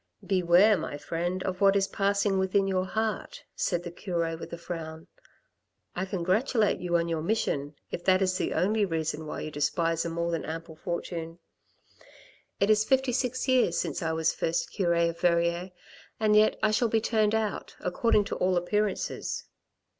" Beware, my friend, of what is passing within youfheart," said the cure with a frown, " I congratulate you on your mission, if that is the only reason why you despise a more than ample fortune. It is fifty six years since I was first cure of Verrieres, and yet I shall be turned out, according to all appearances.